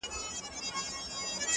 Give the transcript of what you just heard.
نه _ نه داسي نه ده _